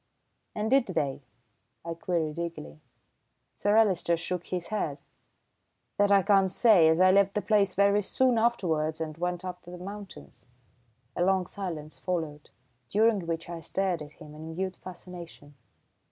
"And did they?" I queried eagerly. Sir Alister shook his head. "That I can't say, as I left the place very soon afterwards and went up to the mountains." A long silence followed, during which I stared at him in mute fascination.